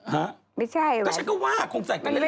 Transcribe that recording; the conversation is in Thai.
ฮะไม่ใช่แหวนก็ฉันก็ว่าคงใส่เป็นเล่นหรอก